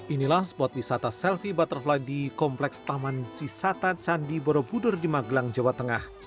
inilah spot wisata selfie butterfly di kompleks taman wisata candi borobudur di magelang jawa tengah